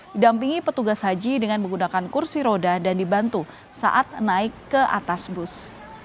didampingi petugas haji dengan menggunakan kursi roda dan dibantu saat naik ke atas bus